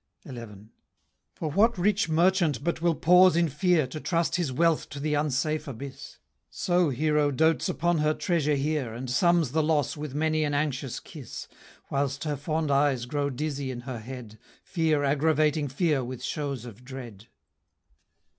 XI. For what rich merchant but will pause in fear, To trust his wealth to the unsafe abyss? So Hero dotes upon her treasure here, And sums the loss with many an anxious kiss, Whilst her fond eyes grow dizzy in her head, Fear aggravating fear with shows of dread.